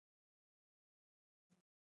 د سبا کار نن ته مه پرېږدئ.